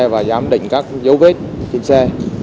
và giám định các dấu vết trên xe